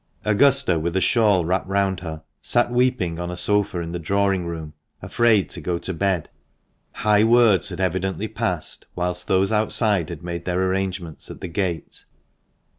Augusta, with a shawl wrapped round her, sat weeping on a sofa in the drawing room, afraid to go to bed. High words had evidently passed whilst those outside had made their arrangements at the gate.